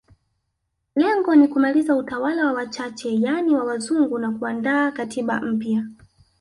Lengo ni kumaliza utawala wa wachache yani wa wazungu na kuandaa katiba mpya